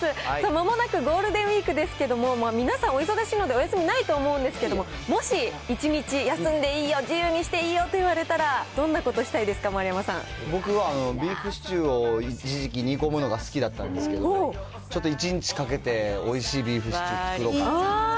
まもなくゴールデンウィークですけれども、皆さんお忙しいのでお休みないと思うんですけれども、もし１日休んでいいよ、自由にしていいよと言われたら、どんなことしたいですか、僕は、ビーフシチューを一時期煮込むのが好きだったんですけど、ちょっと一日かけておいしいビーフシチュー作ろうかなと。